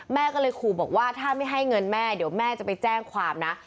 แม่ก็เลยขู่บอกว่าถ้าไม่ให้เงินแม่เดี๋ยวแม่จะไปแจ้งความนะ